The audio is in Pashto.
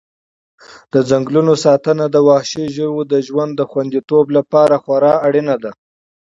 د ځنګلونو ساتنه د وحشي ژویو د ژوند د خوندیتوب لپاره خورا اړینه ده.